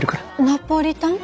ナポリタン？